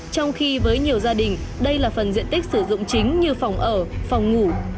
trong khi với nhiều gia đình đây là phần diện tích sử dụng chính như phòng ở phòng ngủ